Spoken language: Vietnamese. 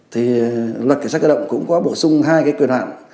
thì luật cảnh sát cơ động cũng có bổ sung hai cái quyền hạn